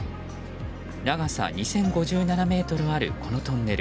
長さ２０５７ｍあるこのトンネル。